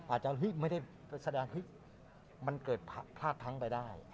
อาจจะไม่ได้ไปแสดงเฮ้ยมันเกิดพลาดพังไปได้